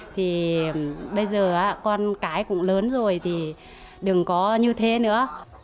thì bây giờ con cái cũng lớn rồi thì đừng có như thế nữa